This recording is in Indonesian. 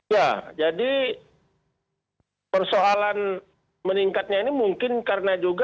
ya jadi persoalan meningkatnya ini mungkin karena juga